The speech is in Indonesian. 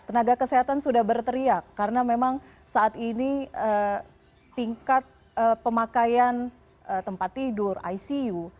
tenaga kesehatan sudah berteriak karena memang saat ini tingkat pemakaian tempat tidur icu